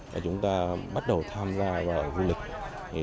để chúng ta bắt đầu tham gia vào du lịch